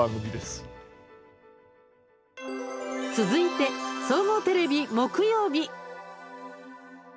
続いて総合テレビ、木曜日。